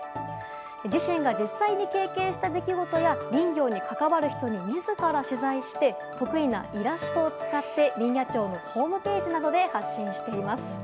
自身が実際に経験した出来事や林業に関わる人に自ら取材して得意なイラストを使って林野庁のホームページなどで発信しています。